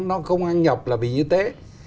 nó không ăn nhập là bị như thế